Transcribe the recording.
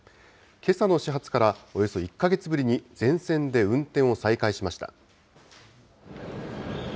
けさの始発から、およそ１か月ぶりに、全線で運転を再開しました。